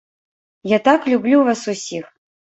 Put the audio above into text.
Я так люблю вас усіх!